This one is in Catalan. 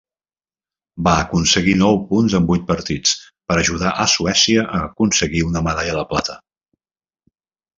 Va aconseguir nou punts en vuit partits per ajudar a Suècia a aconseguir una medalla de plata.